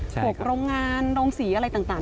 พวกโรงงานโรงสีอะไรต่าง